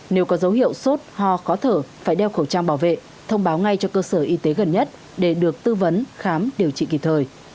nếu có dấu hiệu sốt ho khó thở phải đeo khẩu trang bảo vệ thông báo ngay cho cơ sở y tế gần nhất để được tư vấn khám điều trị kịp thời